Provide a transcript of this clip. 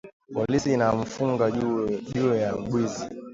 Polisi inamufunga juya bwizi